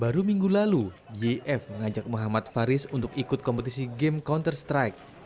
baru minggu lalu yf mengajak muhammad faris untuk ikut kompetisi game counter strike